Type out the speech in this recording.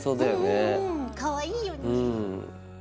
かわいいよね。